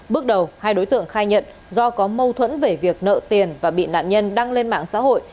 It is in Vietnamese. bước đầu hai đối tượng khai nhận do có mâu thuẫn về việc nợ tiền và bị nạn nhân đăng lên mạng xã hội